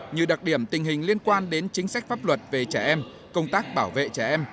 như đặc điểm tình hình liên quan đến chính sách pháp luật về trẻ em công tác bảo vệ trẻ em